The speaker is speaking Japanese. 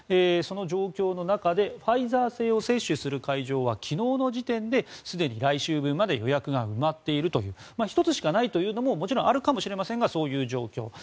その状況の中でファイザー製を接種する会場は昨日の時点ですでに来週分まで予約が埋まっているという１つしかないというのももちろんあるかもしれませんがそういう状況。